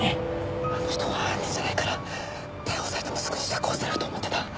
あの人は犯人じゃないから逮捕されてもすぐに釈放されると思ってた。